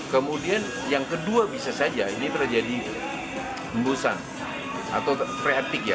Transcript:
kemudian yang kedua bisa saja ini terjadi embusan atau freatik ya